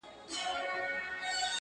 ژوند له پوښتنو ډک پاتې کيږي,